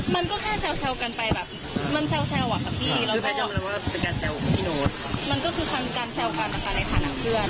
มันก็แค่เซลเซลกันไปแบบมันเซลเซลอะค่ะพี่มันก็คือทางการเซลกันนะคะในฐานะเพื่อน